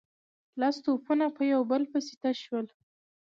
لس توپونه په يو بل پسې تش شول.